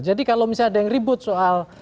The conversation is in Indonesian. jadi kalau misalnya ada yang ribut soal